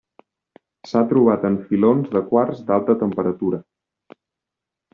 S'ha trobat en filons de quars d'alta temperatura.